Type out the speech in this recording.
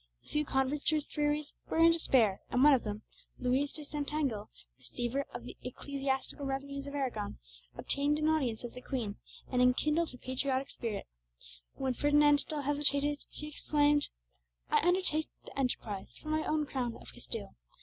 The few converts to his theories were in despair, and one of them, Luis de Santangel, receiver of the ecclesiastical revenues of Aragon, obtained an audience of the Queen, and enkindled her patriotic spirit. When Ferdinand still hesitated, she exclaimed, "I undertake the enterprise for my own crown of Castile.